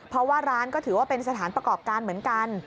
เพราะว่าร้านก็ถือว่าเป็นสถานประกอบการเหมือนกัน